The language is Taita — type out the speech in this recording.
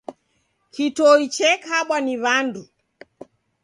Kitoi chekabwa ni wandu.